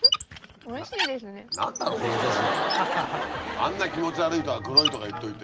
あんな気持ち悪いとかグロいとか言っといて。